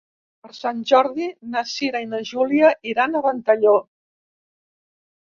Per Sant Jordi na Cira i na Júlia iran a Ventalló.